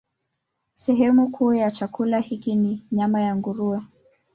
Sehemu kuu ya chakula hiki ni nyama ya nguruwe.